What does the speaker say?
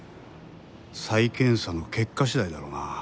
再検査の結果次第だろうな。